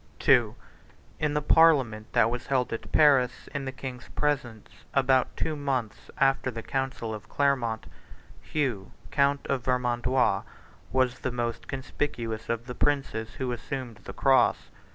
II. In the parliament that was held at Paris, in the king's presence, about two months after the council of Clermont, Hugh, count of Vermandois, was the most conspicuous of the princes who assumed the cross.